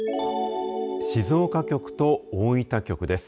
静岡局と大分局です。